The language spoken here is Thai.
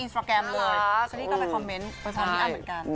ซันนี่ก็ไปคอมเมนต์ประชาวนี้อ้ำเหมือนกัน